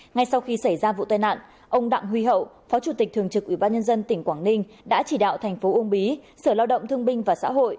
ngay sau khi xảy ra vụ tai nạn ông đặng huy hậu phó chủ tịch thường trực ủy ban nhân dân tp quảng ninh đã chỉ đạo tp ung bí sở lao động thương binh và xã hội